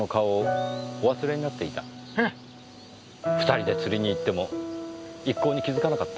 ２人で釣りに行っても一向に気づかなかった？